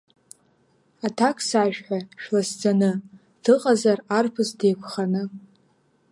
Аҭак сашәҳәа шәласӡаны, Дыҟазар арԥыс деиқәханы?